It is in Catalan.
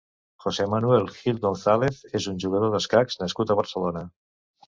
José Manuel Gil González és un jugador d'escacs nascut a Barcelona.